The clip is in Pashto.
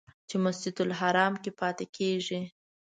چې مسجدالحرام کې پاتې کېږي.